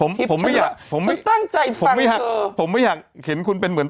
ผมผมผมไม่อยากผมตั้งใจฟังเธอผมไม่อยากเข็นคุณเป็นเหมือน